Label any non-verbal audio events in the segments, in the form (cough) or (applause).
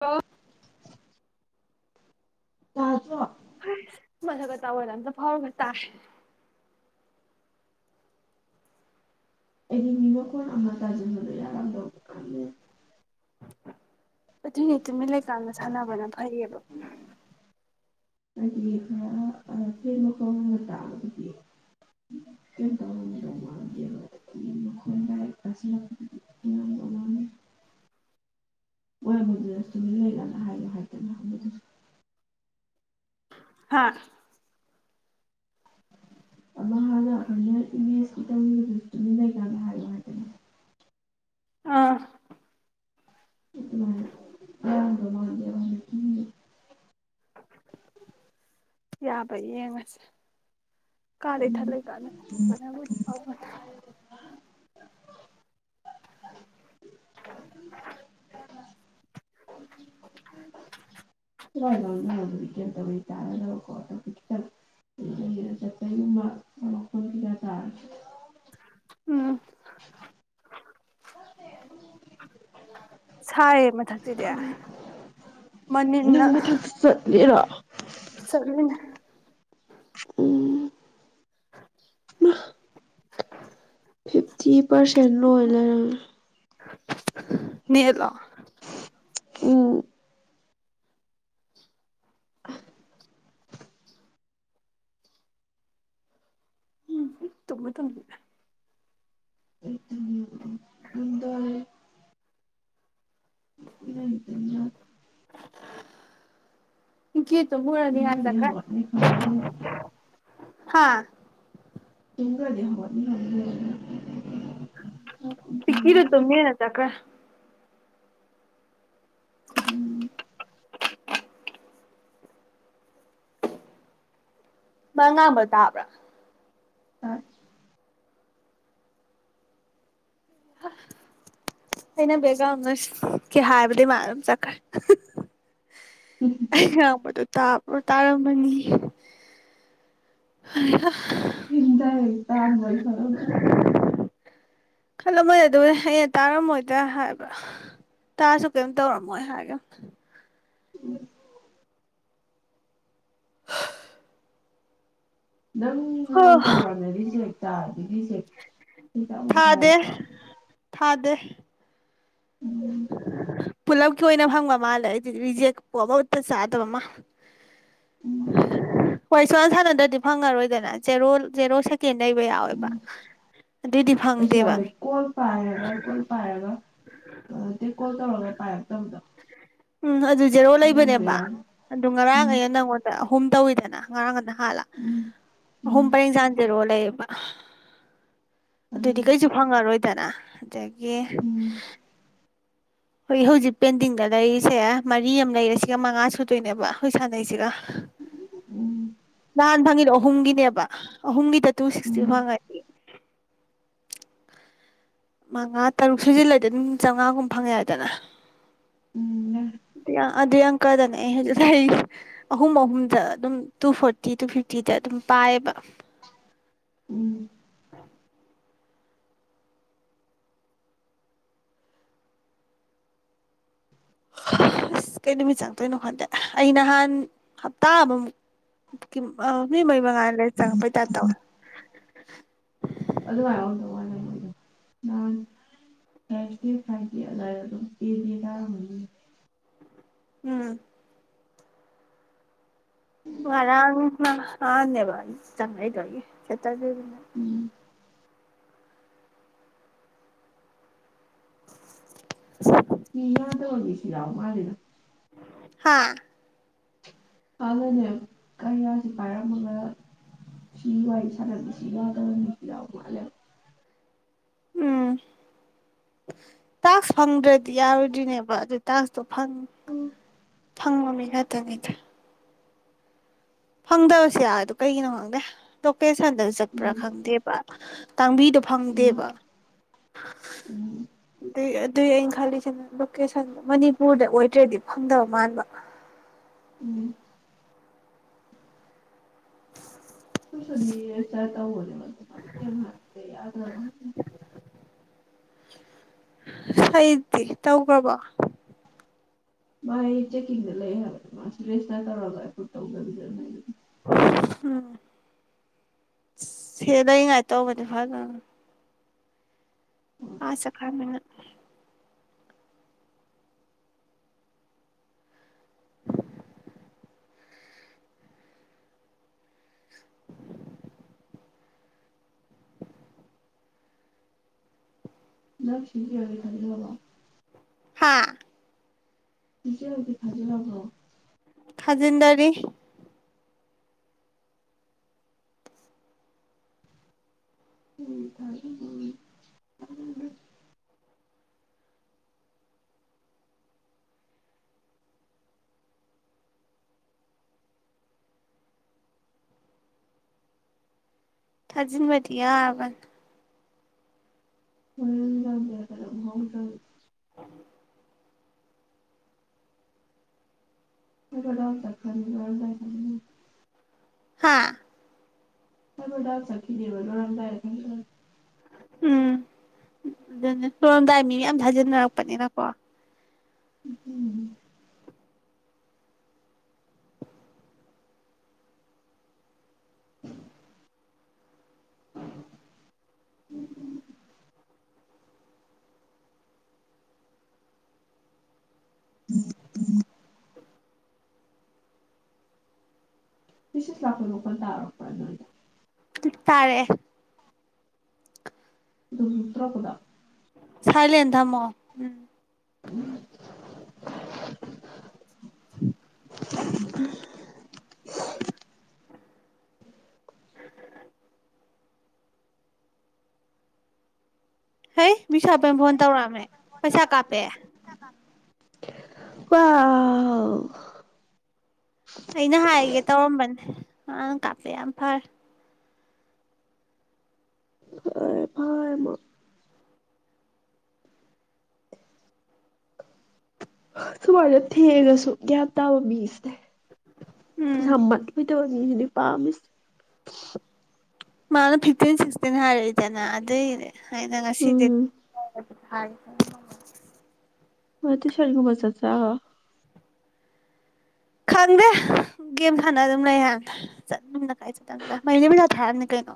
ꯑꯣ ꯇꯥꯖꯣ (unintelligible) (unintelligible) ꯑꯗꯨꯏꯅꯦ ꯇꯨꯃꯤꯟ ꯂꯩꯀꯥꯟꯗ ꯁꯥꯟꯅꯕꯅ ꯐꯩꯌꯦꯕ (unintelligible) (unintelligible) ꯍꯥ ꯑꯃꯥ ꯍꯥꯟꯅ ꯑꯩꯈꯣꯢꯅ ꯏꯃꯦꯁꯀꯤ ꯇꯧꯒꯤꯗꯨꯁꯨ ꯇꯨꯃꯤꯟ ꯂꯩꯀꯥꯟ ꯍꯥꯢꯌꯣ ꯍꯥꯢꯗꯅ ꯑꯥ (unintelligible) ꯌꯥꯕ ꯌꯦꯡꯉꯁꯦ ꯀꯥꯗ ꯏꯊꯟ ꯎꯝ ꯂꯩ ꯀꯥꯟꯗ (unintelligible) (inaudible) (unintelligible) ꯆꯠꯄꯩꯒꯨꯝꯕ ꯃꯈꯣꯟ ꯀꯩꯀꯥ ꯇꯥꯔꯁꯨ ꯎꯝ (inaudible) ꯁꯥꯏꯌꯦ ꯃꯊꯛꯁꯤꯗꯤ ꯃꯅꯤꯟꯅ ꯅꯪ ꯃꯊꯛꯇ ꯆꯠꯂꯤꯔꯣ ꯆꯠꯃꯤꯅꯩ (inaudible) ꯐꯤꯐꯇꯤ ꯄꯔꯁꯦꯟ ꯂꯣꯏ ꯂꯩꯔꯝꯃꯦ ꯅꯦꯠꯂꯣ ꯎꯝ (inaudible) ꯎꯝ ꯇꯨꯝꯃꯨ ꯇꯨꯝꯗ꯭ꯔꯤ (unintelligible) (unintelligible) (inaudible) ꯒꯤꯠ (unintelligible) ꯍꯥꯥ ꯇꯨꯡꯗꯒꯤ (unintelligible) ꯄꯤꯀꯤꯗꯣ ꯇꯨꯝꯅꯤꯅ ꯆꯠꯈ꯭ꯔꯦ ꯎꯝ (inaudible) ꯃꯥ ꯉꯥꯡꯕ ꯇꯥꯕ꯭ꯔ ꯇꯥꯏ ꯑꯩꯅ ꯕꯦꯖ ꯑꯃꯅ ꯀꯦ ꯍꯥꯏꯕꯗꯤ ꯃꯥ ꯑꯗꯨꯝ ꯆꯠꯈ꯭ꯔꯦ ꯑꯩ ꯉꯥꯡꯕꯗꯣ ꯇꯥꯕ꯭ꯔꯣ ꯇꯥꯔꯝꯃꯅꯤ (inaudible) ꯍꯩꯍꯥ (unintelligible) ꯈꯜꯂꯝꯃꯅꯤ ꯈꯜꯂꯝꯃꯣꯏꯗ ꯑꯗꯨ ꯑꯩꯅ ꯇꯥꯔꯝꯃꯣꯏꯗ ꯍꯥꯏꯕ ꯇꯥꯁꯨ ꯀꯦꯝ ꯇꯧꯔꯝꯃꯣꯏ ꯍꯥꯏꯒ (inaudible) ꯅꯪ ꯅꯍꯥꯟ ꯇꯧꯀꯥꯟꯗ ꯔꯤꯖꯦꯛ (unintelligible) ꯍꯦꯛꯇ ꯑꯃꯨꯛ ꯊꯥꯗꯦ ꯍꯥꯏꯔꯛꯇ꯭ꯔꯣ ꯊꯥꯗꯦ ꯄꯨꯂꯞ ꯂꯣꯏꯅ ꯐꯪꯕ ꯃꯥꯜꯂꯦ ꯑꯩꯗꯤ ꯔꯤꯖꯦꯛꯄꯨ ꯑꯃꯠꯇ ꯆꯥꯗꯕ ꯃꯥ ꯑꯃ ꯍꯣꯏ ꯁꯨꯋꯥꯟ ꯁꯥꯟꯅꯗ꯭ꯔꯗꯤ ꯐꯪꯉꯔꯣꯏꯗꯅ ꯖꯦꯔꯣ ꯖꯦꯔꯣ ꯁꯦꯀꯦꯟ ꯂꯩꯕ ꯌꯥꯎꯋꯦꯕ ꯎꯝ ꯑꯗꯨꯏꯗꯤ ꯑꯩ ꯐꯪꯗꯦꯕ ꯆꯥꯔꯥ ꯀꯣꯜ ꯄꯥꯏꯔꯒ ꯀꯣꯜ ꯄꯥꯏꯔꯒ ꯑꯦ ꯀꯣꯜ ꯇꯧꯔꯒ ꯄꯥꯏꯔꯛꯇꯕꯗꯣ ꯎꯝ ꯑꯗꯨ ꯖꯦꯔꯣ ꯑꯗꯨꯒꯨꯝꯕ ꯂꯩꯕꯅꯦꯕ ꯌꯥꯎꯋꯦ ꯑꯗꯨ ꯉꯔꯥꯡ ꯎꯝ ꯑꯩꯅ ꯅꯪꯉꯣꯟꯗ ꯑꯍꯨꯝ ꯇꯧꯋꯤꯗꯅ ꯉꯔꯥꯡ ꯉꯟꯅ ꯍꯥꯛꯂ ꯎꯝ ꯑꯍꯨꯝ ꯄꯔꯦꯡ ꯁꯥ ꯖꯦꯔꯣ ꯂꯩꯌꯦ ꯎꯝ ꯑꯗꯨꯗꯤ ꯀꯩꯁꯨ ꯈꯪꯉꯔꯣꯏꯗꯅ ꯑꯗꯒꯤ ꯎꯝ ꯍꯣꯏ ꯍꯧꯖꯤꯛ ꯄꯦꯟꯗꯤꯡꯗ ꯂꯩꯔꯤꯁꯦ ꯃꯔꯤ ꯑꯃ ꯂꯩꯔꯦ ꯁꯤꯒ ꯃꯉꯥ ꯁꯨꯗꯣꯏꯅꯦꯕ ꯑꯩꯈꯣꯏ ꯁꯥꯟꯅꯩꯁꯤꯒ ꯎꯝ ꯅꯍꯥꯟ ꯐꯪꯉꯤꯗꯣ ꯑꯍꯨꯝꯒꯤꯅꯦꯕ ꯑꯍꯨꯝꯒꯤꯗ ꯇꯨ ꯁꯤꯛꯁꯇꯤ ꯎꯝ ꯐꯪꯉꯗꯤ ꯃꯉꯥ ꯇꯔꯨꯛ ꯁꯨꯖꯤꯜꯂꯗꯤ ꯑꯗꯨꯝ ꯆꯥꯝꯃꯉꯥꯒꯨꯝꯕ ꯐꯪꯉꯦ ꯍꯥꯏꯗꯅ ꯎꯝ ꯑꯗꯨꯏ ꯑꯪꯀꯗꯅꯦ ꯑꯩ ꯍꯧꯖꯤꯛ ꯂꯩꯔꯤꯁꯦ ꯑꯍꯨꯝ ꯑꯍꯨꯝꯗ ꯑꯗꯨꯝ ꯇꯨ ꯐꯣꯔꯇꯤ ꯇꯨ ꯐꯤꯐꯇꯤꯗ ꯑꯗꯨꯝ ꯄꯥꯏꯌꯦꯕ ꯎꯝ ꯑꯁ ꯀꯩ ꯅꯨꯃꯤꯠ ꯆꯪꯗꯣꯏꯅꯣ ꯈꯣꯟꯗꯦ ꯑꯩ ꯅꯍꯥꯟ ꯍꯞꯇꯥ ꯑꯃꯃꯨꯛ ꯀꯤꯝ ꯑꯥ ꯃꯤ ꯃꯌꯨꯝ ꯕ ꯑꯗꯩ ꯆꯪꯉꯛꯄꯩ ꯇꯥꯢꯄ ꯇꯧꯔꯦ ꯑꯗꯨꯃꯥꯏꯅ ꯑꯣꯏꯗꯧ (unintelligible) ꯎꯝ ꯉꯔꯥꯡ ꯅꯍꯥꯟꯅꯦꯕꯥ ꯆꯪꯉꯛꯏꯗꯣ ꯑꯩ ꯁꯇꯔꯗꯦ ꯎꯝ (inaudible) ꯀꯤ ꯌꯥ ꯇꯣꯝꯕꯤ ꯁꯤꯔꯥ ꯋꯥꯔꯤꯔꯥ ꯍꯥꯥ ꯍꯥꯟꯅꯅꯦ ꯀꯌꯥꯁꯤ ꯄꯥꯏꯔꯝꯃꯒ ꯁꯤ ꯋꯥꯔꯤ ꯁꯥꯟꯅꯕꯤꯁꯤ ꯌꯥꯎꯗꯕ ꯃꯤꯁꯨ ꯌꯥꯎꯕ ꯃꯥꯜꯂꯦꯕ ꯎꯝ ꯇꯥꯛꯁ ꯐꯪꯗ꯭ꯔꯗꯤ ꯌꯥꯔꯣꯏꯗꯣꯏꯅꯦꯕ ꯑꯗꯨ ꯇꯥꯛꯁꯇꯣ ꯐꯪ ꯎꯝ ꯐꯪꯕ ꯃꯤ ꯅꯠꯇꯅꯤꯗ ꯐꯪꯗꯕꯁꯨ ꯌꯥꯎꯋꯤꯗꯣ ꯀꯩꯒꯤꯅꯣ ꯈꯪꯗꯦ ꯗꯣ ꯄꯦ ꯁꯥꯟꯗ ꯆꯠꯄ꯭ꯔꯥ ꯎꯝ ꯈꯪꯗꯦꯕ ꯇꯥꯡꯕꯤꯗꯣ ꯎꯝ ꯐꯪꯗꯦꯕ ꯎꯝ ꯑꯇꯩ ꯑꯗꯨꯏ ꯑꯩꯅ ꯈꯜꯂꯤꯁꯤꯅ ꯂꯣꯀꯦꯁꯟ ꯃꯅꯤꯄꯨꯔꯗ ꯑꯣꯏꯗ꯭ꯔꯗꯤ ꯐꯪꯗꯕ ꯃꯥꯟꯕ ꯎꯝ ꯑꯈꯣꯢ ꯁꯥꯔꯒꯤ ꯔꯦꯖꯤꯁꯇ꯭ꯔ ꯇꯧꯕꯅꯕ (unintelligible) ꯍꯩꯗꯤ ꯇꯧꯈ꯭ꯔꯕꯣ ꯃꯥꯥꯏ ꯆꯦꯛꯀꯤꯡꯗ ꯂꯩ ꯍꯥꯏꯕ ꯃꯥꯁꯨ ꯔꯦꯁꯇꯔ ꯇꯧꯔꯒ ꯑꯗꯨ ꯇꯧꯗꯕꯤꯗ ꯎꯝ ꯁꯦꯜ ꯂꯩꯉꯥꯏ ꯇꯧꯒꯔꯗꯤ ꯐꯗꯧꯅꯦ ꯑꯥ ꯆꯠꯈꯔꯕꯅꯤꯅ ꯅꯪ ꯁꯤ ꯌꯥꯢ ꯐꯪꯗꯣꯔꯕꯣ ꯍꯥꯥ ꯏꯆꯦ ꯍꯨꯖꯤꯛ ꯐꯥꯖꯤꯟꯂꯕꯣ ꯍꯖꯤꯟꯅꯔꯤ (unintelligible) ꯊꯥꯖꯤꯟꯕꯗꯤ ꯌꯥꯔꯕꯅꯤ ꯍꯣꯔꯦꯟ ꯗꯥꯡꯗ (unintelligible) (unintelligible) ꯍꯥꯥ (unintelligible) ꯆꯠꯅꯤꯡꯗꯦꯕ ꯂꯣꯢꯔꯝꯗꯥꯢ (unintelligible) ꯎꯝ ꯑꯗꯨꯅꯦ ꯂꯣꯏꯔꯝꯗꯥꯏ ꯃꯤꯌꯥꯝ ꯊꯥꯖꯤꯟꯅꯔꯛꯄꯅꯤꯅꯀꯣ ꯎꯝ (unintelligible) (unintelligible) (unintelligible) ꯃꯦꯁꯦꯁ ꯂꯥꯛꯄ ꯃꯈꯣꯜ ꯇꯥꯔꯛ ꯄ꯭ꯔ ꯅꯣꯏꯗ ꯇꯥꯥꯔꯛꯑꯦ ꯗꯔꯨꯝ ꯇꯧꯔꯛꯄꯗꯣ ꯁꯥꯏꯂꯦꯟ ꯊꯝꯃꯣ ꯎꯝ (unintelligible) ꯍꯩ ꯃꯤꯁꯝ ꯐꯣꯟ ꯇꯧꯔꯛꯑꯝꯃꯦ ꯄꯩꯁꯥ ꯀꯥꯞꯄꯦ ꯋꯥꯎ ꯑꯩꯅ ꯍꯥꯏꯒꯦ ꯇꯧꯔꯝꯕꯅꯦ ꯃꯅ ꯀꯥꯄꯦ ꯌꯥꯝ ꯐꯔꯦ ꯑ ꯐꯔꯦ ꯐꯔꯦ ꯑꯃ ꯁꯨꯃꯥꯏꯅ ꯊꯦꯡꯉꯁꯨ ꯒꯌꯥꯟ ꯇꯥꯕ ꯃꯤꯁꯤꯅꯦ ꯎꯝ (unintelligible) (unintelligible) ꯃꯥ ꯐꯤꯐꯇꯤꯟ ꯁꯤꯛꯁꯇꯤꯟ ꯍꯥꯏꯔꯦ ꯗꯥꯅ ꯑꯗꯩ ꯍꯥꯏꯅ ꯉꯁꯤꯗꯤ ꯎꯝ ꯍꯥꯏ ꯃꯥ ꯇ꯭ꯌꯨꯁꯟꯒꯨꯝꯕ ꯆꯠꯆꯔꯣ ꯈꯪꯗꯦ ꯒꯦꯝ ꯁꯥꯟꯅ ꯑꯗꯨꯝ ꯂꯩ ꯍꯥꯏꯅꯦ ꯆꯠꯗ ꯃꯩꯅꯤ ꯄꯖꯥ ꯊꯥꯔꯝꯅꯤ ꯀꯩꯅꯣ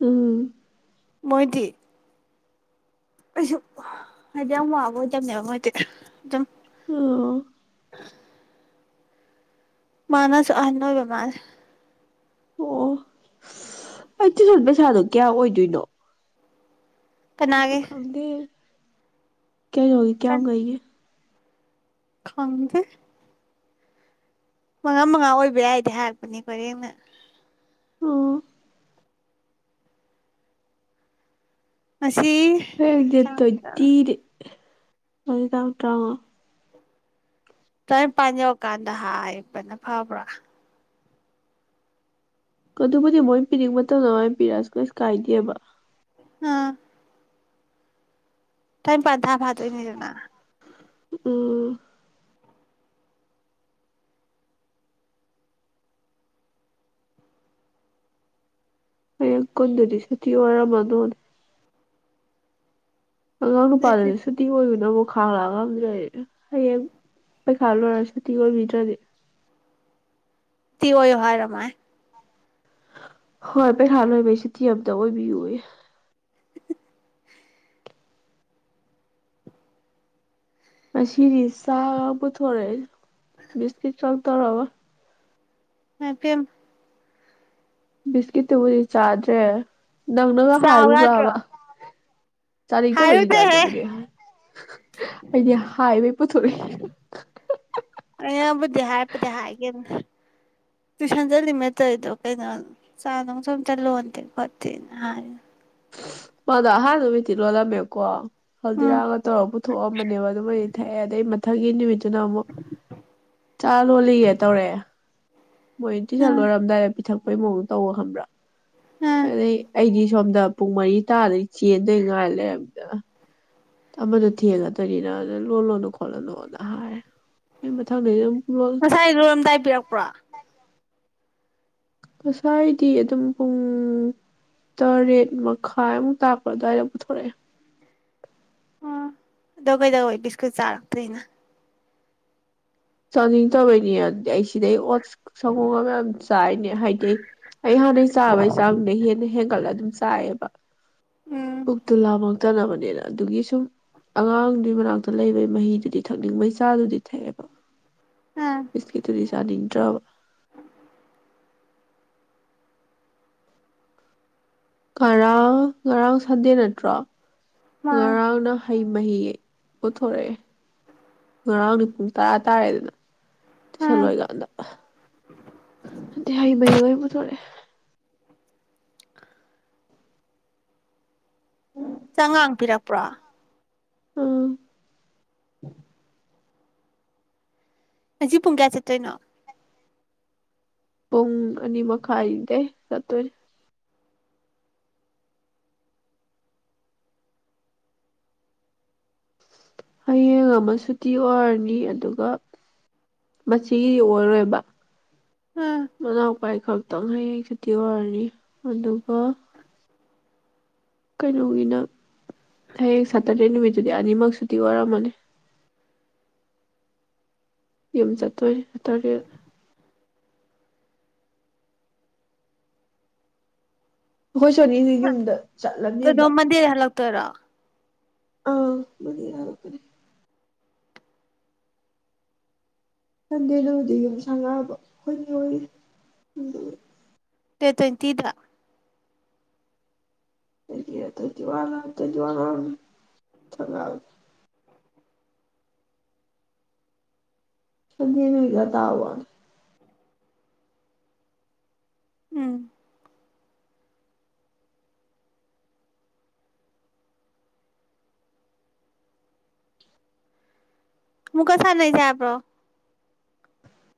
ꯎꯝ ꯃꯣꯏꯗꯤ ꯑꯩꯁꯨ ꯍꯥꯏꯗꯤ ꯌꯥꯝ ꯋꯥꯕ ꯑꯣꯏꯗꯕꯅꯦꯕ ꯃꯣꯏꯗꯤ ꯑꯗꯨꯝ (unintelligible) (unintelligible) ꯃꯥꯅꯁꯨ ꯑꯍꯟ ꯑꯣꯏꯕ ꯃꯥꯜꯂꯦ ꯑꯣ ꯑꯩ ꯇ꯭ꯌꯨꯁꯟ ꯄꯩꯁꯥꯗꯣ ꯀꯌꯥ ꯑꯣꯏꯗꯣꯏꯅꯣ ꯑꯩꯁꯨ ꯀꯅꯥꯒꯤ ꯈꯪꯗꯦ ꯀꯩꯅꯣꯒꯤ ꯀꯤꯌꯝ ꯒꯩꯒꯤ ꯈꯪꯗꯦ ꯃꯉꯥ ꯃꯉꯥ ꯑꯣꯏꯕ ꯌꯥꯏꯗꯤ ꯍꯥꯏꯔꯛꯄꯅꯦ ꯄꯔꯦꯡꯅ ꯑꯣ ꯉꯁꯤ ꯍꯥꯌꯦꯡ ꯗꯦꯠ ꯇꯥꯡ ꯇꯣꯏꯟꯇꯤ ꯉꯥꯁꯤ ꯇꯥꯡ ꯇꯥꯔꯥꯎꯉꯥ ꯇ꯭ꯔꯥꯏꯝꯄꯥꯟ ꯌꯧꯔ ꯀꯥꯟꯗ ꯍꯥꯏꯔꯅ ꯐꯕ꯭ꯔꯥ ꯀꯗꯨꯕꯨꯗꯤ ꯃꯣꯏ ꯄꯤꯅꯤꯡꯕ ꯃꯇꯝꯗ ꯃꯥꯏ ꯄꯤꯔꯛꯑꯁꯨ ꯀꯩꯁꯨ ꯀꯥꯏꯗꯦꯕ ꯑꯥ ꯇ꯭ꯔꯥꯏꯝꯄꯥꯟ ꯊꯥ ꯐꯥꯗꯣꯢ ꯅꯤꯗꯅ ꯎꯝ ꯍꯌꯦꯡ ꯀꯨꯟꯗꯗꯤ ꯁꯨꯇꯤ ꯑꯣꯢꯔꯝ ꯃꯗꯣꯅꯦ ꯑꯉꯥꯡ ꯅꯨꯄꯥꯥꯗꯨꯗꯤ ꯁꯨꯇꯤ ꯑꯣꯏꯕꯕꯨ ꯈꯥꯡꯂꯛ ꯉꯝꯗ꯭ꯔꯦ ꯍꯌꯦꯡ ꯄꯩꯈꯥ ꯂꯣꯏꯔ ꯁꯨꯇꯤ ꯑꯣꯏꯕꯤꯗ꯭ꯔꯗꯤ ꯁꯨꯇꯤ ꯑꯣꯏꯌꯨ ꯍꯥꯏꯔꯣ ꯃꯣꯏ ꯍꯣꯏ ꯄꯩꯈꯥ ꯂꯣꯏꯕꯩ ꯁꯨꯇꯤ ꯑꯝꯇ ꯑꯣꯏꯕꯤꯌꯨꯑꯦ ꯑꯁꯤꯖꯤ ꯆꯥ ꯄꯨꯊꯣꯔꯛꯑꯦ ꯕꯤꯁꯀꯤꯠ ꯈꯛ ꯇꯥꯔꯕ ꯃꯥꯏ ꯄꯦꯝꯃꯥ ꯕꯤꯁꯀꯤꯠ ꯇꯨꯕꯨꯗꯤ ꯆꯥꯗ꯭ꯔꯦ ꯅꯪꯅꯒ ꯆꯥꯎ ꯌꯥꯗ꯭ꯔꯣ ꯍꯥꯏꯔꯨꯕ꯭ꯔꯥꯕ ꯆꯥꯅꯤꯡꯇꯕꯩꯅꯤꯗ ꯍꯥꯏꯔꯨꯗꯦꯍꯦ ꯑꯗꯨꯕꯨꯗꯤ ꯑꯩꯗꯤ ꯍꯥꯏꯕꯩ ꯄꯨꯊꯣꯛꯏ ꯇ꯭ꯌꯨꯁꯟ ꯆꯠꯂꯤꯃꯦ ꯇꯧꯏꯗꯣ ꯀꯩꯅꯣ ꯆꯥ ꯅꯨꯡꯁꯨ ꯑꯃꯇ ꯂꯣꯟꯗꯦ ꯈꯣꯠꯇꯦꯅ ꯍꯥꯏꯃꯅꯤ ꯃꯥꯗꯣ ꯑꯍꯥꯥꯟꯕ ꯅꯨꯃꯤꯠꯇꯤ ꯂꯣꯜꯂꯝꯃꯦꯕꯀꯣ ꯎꯝ ꯍꯜꯗꯤꯔꯥꯒ ꯇꯧꯔꯒ ꯄꯨꯊꯣꯛꯑꯝꯕꯅꯦꯕ ꯑꯗꯨꯃꯗꯤ ꯊꯛꯑꯦ ꯑꯗꯩ ꯃꯊꯪꯒꯤ ꯅꯨꯃꯤꯠ ꯁꯤꯅ ꯑꯃꯨꯛ ꯆꯥ ꯂꯣꯜꯂꯤꯌꯦ ꯇꯧꯔꯛꯑꯦ ꯃꯣꯏ ꯇꯨꯏꯋꯤꯁꯟ ꯎꯝ ꯂꯣꯏꯔꯝꯗꯥꯏꯗ ꯄꯤꯊꯛ ꯑꯈꯣꯏ ꯃꯧꯗ ꯇꯧ ꯈꯕ꯭ꯔꯥ ꯎꯝ ꯑꯗꯩ ꯑꯩꯒꯤ ꯁꯣꯝꯗ ꯄꯨꯡ ꯃꯔꯤ ꯇꯥꯔꯗꯩꯅꯤ ꯆꯦꯟꯗꯣꯏ ꯉꯥꯏ ꯂꯩꯔꯝꯅꯦ ꯑꯥ ꯑꯃꯗꯨ ꯊꯦꯡꯉꯥꯗꯣꯏꯅꯤꯅ ꯑꯗꯨꯗ ꯂꯣꯜꯂꯣꯅꯨ ꯈꯣꯠꯂꯣꯅꯨꯅ ꯍꯥꯏꯔꯦ ꯑꯩ ꯃꯊꯪꯗꯩ ꯑꯗꯨꯝ ꯂꯣꯜ ꯉꯁꯥꯏ ꯂꯣꯏꯔꯝꯗꯥꯏ ꯄꯤꯔꯛꯄ꯭ꯔꯣ ꯉꯁꯥꯏꯗꯤ ꯑꯗꯨꯝ ꯄꯨꯡ ꯇꯔꯦꯠ ꯃꯈꯥꯏꯃꯨꯛ ꯇꯥꯛꯄ ꯑꯗꯨꯋꯥꯏꯗ ꯄꯨꯊꯣꯔꯛꯑꯦ ꯎꯝ ꯑꯗꯣ ꯀꯩꯗꯧꯋꯦ ꯕꯤꯁꯀꯨꯠ ꯆꯥꯔꯛꯇꯔꯤꯅ ꯆꯅꯤꯡꯇꯕꯩꯅꯤ ꯑꯗꯤꯏ ꯑꯩ ꯁꯤꯗꯩ ꯑꯣꯠꯁ ꯁꯪꯒꯣꯝꯒ ꯃꯌꯥꯝ ꯆꯥꯏꯅꯦ ꯍꯥꯏꯗꯤ ꯑꯩ ꯍꯥꯟꯅꯩ ꯆꯥꯕꯩ ꯆꯥꯡꯗꯩ ꯍꯦꯟꯅ ꯍꯦꯟꯒꯠꯂ ꯑꯗꯨꯝ ꯆꯥꯏꯌꯦꯕ ꯎꯝ ꯄꯨꯛꯇꯨ ꯂꯥꯃꯛ ꯂꯥꯃꯛꯅꯦꯅ ꯑꯗꯨꯒꯤ ꯁꯨꯝ ꯑꯉꯥꯡꯗꯨꯒꯤ ꯃꯅꯥꯛꯇ ꯂꯩꯕꯒꯤ ꯃꯍꯤꯗꯨꯗꯤ ꯊꯛꯅꯤꯡꯕꯩ ꯆꯥꯗꯨꯗꯤ ꯊꯛꯑꯦꯕ ꯎꯝ ꯕꯤꯁꯀꯤꯠꯇꯨꯗꯤ ꯆꯥꯅꯤꯡ ꯆꯥꯕ ꯉꯔꯥꯡ ꯉꯔꯥꯡ ꯁꯟꯗꯦ ꯅꯠꯇ꯭ꯔꯣ ꯃꯥꯅꯤ ꯉꯔꯥꯡꯅ ꯍꯩ ꯃꯍꯤ ꯄꯨꯊꯣꯔꯛꯑꯦ ꯉꯔꯥꯡꯗꯤ ꯄꯨꯡ ꯇꯔꯥ ꯇꯥꯔꯦꯗꯅ ꯎꯝ (unintelligible) ꯕꯨꯊꯣꯔꯦ ꯆꯉꯥꯡ ꯄꯤꯔꯛꯄ꯭ꯔꯣ ꯑꯥ ꯉꯁꯤ ꯄꯨꯡ ꯀꯌꯥ ꯆꯠꯇꯣꯏꯅꯣ ꯄꯨꯡ ꯑꯅꯤ ꯃꯈꯥꯏꯗꯩ ꯆꯠꯇꯣꯏꯅꯦ ꯍꯌꯦꯡ ꯑꯃ ꯁꯨꯇꯤ ꯑꯣꯏꯔꯅꯤ ꯑꯗꯨꯒ ꯃꯆꯤꯒꯤꯗꯤ ꯑꯣꯏꯔꯣꯏꯕ ꯎꯝ ꯃꯅꯥꯎꯄꯥꯏ ꯑꯩꯈꯛ ꯇꯪ ꯍꯌꯦꯡ ꯁꯨꯇꯤ ꯑꯣꯏꯔꯅꯤ ꯑꯗꯨꯒ ꯀꯩꯅꯣꯒꯤꯅ ꯍꯌꯦꯡ ꯁꯇꯔꯗꯦ ꯅꯨꯃꯤꯠꯇꯨꯗꯤ ꯑꯅꯤꯃꯛ ꯁꯨꯇꯤ ꯑꯣꯏꯔꯝꯃꯅꯤ ꯌꯨꯝ ꯆꯠꯇꯣꯏꯅꯦ ꯁꯥꯇꯔꯗꯦꯗ ꯑꯩꯈꯣꯏ ꯁꯣꯅꯤꯖꯤ ꯌꯨꯝꯗ ꯆꯠꯂꯅꯤꯕ ꯇꯣꯏꯔꯣ (unintelligible) ꯁꯟꯗꯦꯗꯨꯕꯨꯗꯤ ꯌꯨꯝ ꯁꯪꯒꯥꯕ ꯑꯩꯈꯣꯏ ꯅꯦꯍꯣꯏꯒꯤ ꯑꯗꯨꯒꯤ ꯗꯦꯠ ꯇꯣꯏꯟꯇꯤꯗ (unintelligible) ꯁꯟꯗꯦ ꯅꯨꯃꯤꯠꯇ ꯇꯥ ꯋꯥꯅꯤ ꯎꯝ ꯑꯃꯨꯛꯀ ꯁꯅꯁꯦ ꯍꯥꯏꯕ꯭ꯔꯣ